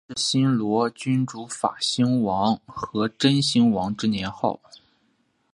建元是新罗君主法兴王和真兴王之年号。